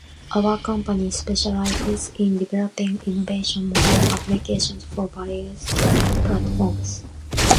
Our company specializes in developing innovative mobile applications for various platforms.